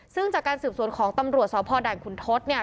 ซึ่งจากการสืบสวนของตำรวจสพด่านขุนทศเนี่ย